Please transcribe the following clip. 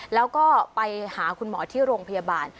แล้วก็ไปหาคุณหมอที่โรงพยาบาล